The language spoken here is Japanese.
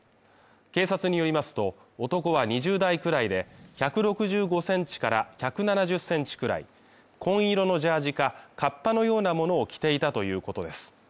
警察によりますと、男は２０代くらいで、１６５センチから１７０センチくらい、紺色のジャージか、カッパのようなものを着ていたということです。